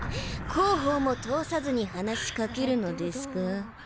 広報も通さずに話しかけるのですか？